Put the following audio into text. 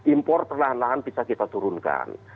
impor perlahan lahan bisa kita turunkan